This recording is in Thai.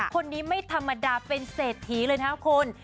คนนี้ไม่ธรรมดาเป็นเศรษฐีเลยนะครับคุณ